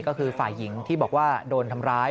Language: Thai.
ก็คือฝ่ายหญิงที่บอกว่าโดนทำร้าย